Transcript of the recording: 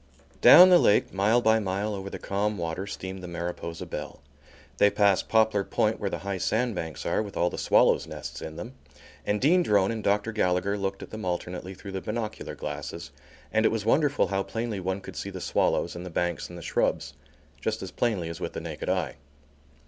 Down the lake, mile by mile over the calm water, steamed the Mariposa Belle. They passed Poplar Point where the high sand banks are with all the swallows' nests in them, and Dean Drone and Dr. Gallagher looked at them alternately through the binocular glasses, and it was wonderful how plainly one could see the swallows and the banks and the shrubs, just as plainly as with the naked eye.